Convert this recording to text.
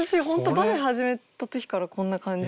バレエ始めた時からこんな感じに足が。